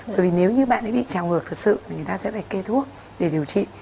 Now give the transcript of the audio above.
bởi vì nếu như bạn ấy bị trào ngược thật sự là người ta sẽ phải kê thuốc để điều trị